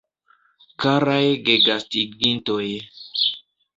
Karaj gegastigintoj